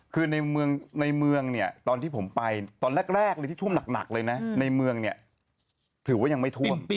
คือในเมืองเนี่ยตอนที่ผมไปตอนแรกเลยที่ท่วมหนักเลยนะในเมืองเนี่ยถือว่ายังไม่ท่วม